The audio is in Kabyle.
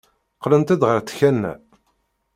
Qqlent-d ɣer tkanna.